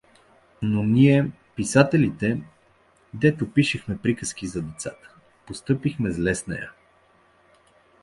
Но ние, писателите, дето пишем приказки за децата, постъпихме зле с нея.